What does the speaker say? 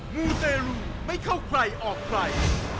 มูเตรลูไม่เข้าใครออกใคร